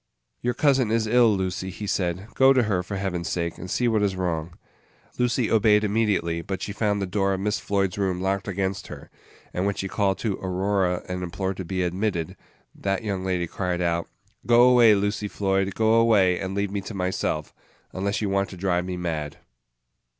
"Your cousin is ill, Lucy," he said; "go to her, for Heaven's sake, and see what is wrong." Lucy obeyed immediately; but she found the door of Miss Floyd's room locked against her; and when she called to Aurora and implored to be admitted, that young lady cried out, "Go away, Lucy Floyd; go away, and leave me to myself, unless you want to drive me mad!"